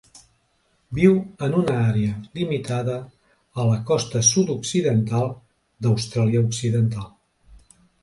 Viu en una àrea limitada a la costa sud-occidental d'Austràlia Occidental.